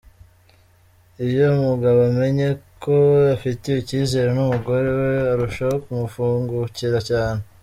Iyo umugabo amenye ko afitiwe icyizere n'umugore we, arushaho kumufungukira cyane.